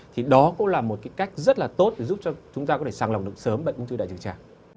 thì đó cũng là một cái cách rất là tốt để giúp cho chúng ta có thể sàng lòng được sớm bệnh ung tư đại trường trà